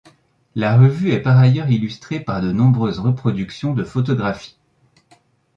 La revue est par ailleurs illustrée par de nombreuses reproductions de photographies.